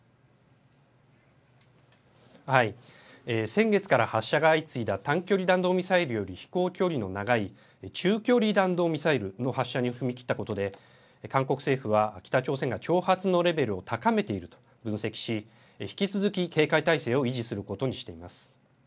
先月から発射が相次いだ短距離弾道ミサイルより飛行距離の長い中距離弾道ミサイルの発射に踏み切ったことで韓国政府は北朝鮮が挑発のレベルを高めていると分析し引き続き、警戒態勢を維持することにしています。